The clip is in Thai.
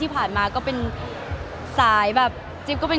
คือบอกเลยว่าเป็นครั้งแรกในชีวิตจิ๊บนะ